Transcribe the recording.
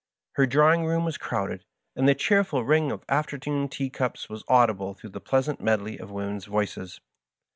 Her drawing room was crowded, and the cheerful ring of afternoon tea cups was audible through the pleasant medley of women's voices.